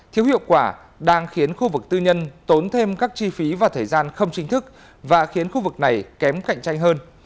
thiếu hiệu quả đang khiến khu vực tư nhân tốn thêm các chi phí và thời gian không chính thức và khiến khu vực này kém cạnh tranh hơn